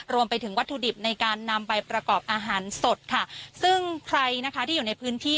วัตถุดิบในการนำไปประกอบอาหารสดค่ะซึ่งใครนะคะที่อยู่ในพื้นที่